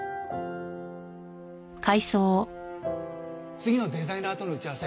次のデザイナーとの打ち合わせ